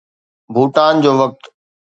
ڀوٽان جو وقت